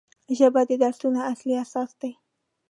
ژبه د درسونو اصلي اساس دی